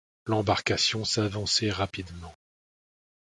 L’embarcation s’avançait rapidement.